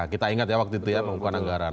kita ingat ya waktu itu ya pengukuhan anggaran